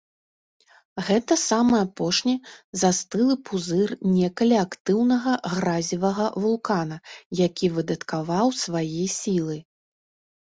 Гэта самы апошні застылы пузыр некалі актыўнага гразевага вулкана, які выдаткаваў свае сілы.